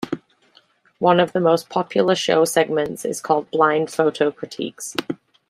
One of the most popular show segments is called "Blind Photo Critiques".